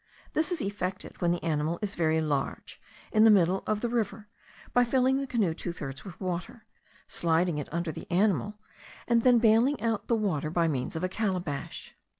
This is effected, when the animal is very large, in the middle of the river, by filling the canoe two thirds with water, sliding it under the animal, and then baling out the water by means of a calabash.